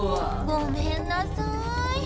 ごめんなさい。